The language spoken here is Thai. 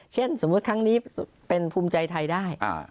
สมมุติครั้งนี้เป็นภูมิใจไทยได้